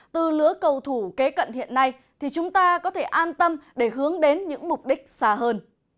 từ lứa cầu thủ kế cận hiện nay thì chúng ta có thể an tâm để hướng đến những mục đích xa hơn